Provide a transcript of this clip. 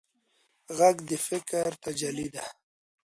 غږ د فکر تجلی ده